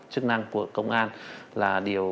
chức năng của công an là điều